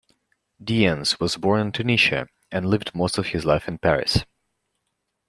Dyens was born in Tunisia and lived most of his life in Paris.